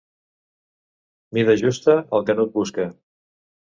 Mida justa, el canut busca.